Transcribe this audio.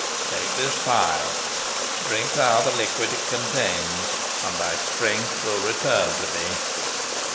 Take this phial. Drink thou the liquid it contains, and thy strength will return to thee."